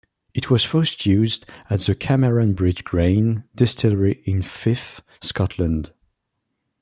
It was first used at the Cameron Bridge Grain Distillery in Fife, Scotland.